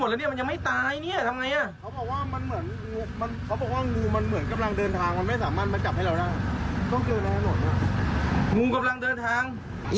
อย่าพูดให้รถผ่านต่างเร็วมอสรีบเริ่มไหมดิ